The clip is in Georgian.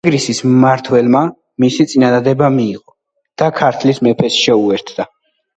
ეგრისის მმართველმა მისი წინადადება მიიღო და ქართლის მეფეს შეუერთდა.